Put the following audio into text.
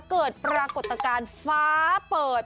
เกิดปรากฏการณ์ฟ้าเปิด